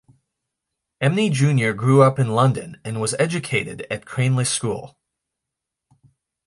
Emney junior grew up in London and was educated at Cranleigh School.